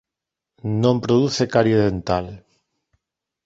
Non produce carie dental.